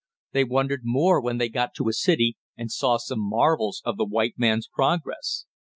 They wondered more when they got to a city, and saw more marvels of the white man's progress.